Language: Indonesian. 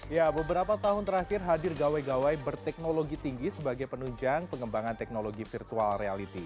ya beberapa tahun terakhir hadir gawai gawai berteknologi tinggi sebagai penunjang pengembangan teknologi virtual reality